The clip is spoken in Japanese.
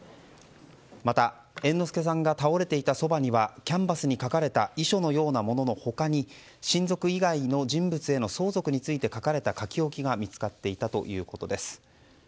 また、猿之助さんが倒れていたそばにはキャンバスに書かれた遺書のようなものの他に親族以外の人物への相続について書かれた書き置きが見つかっていたということです。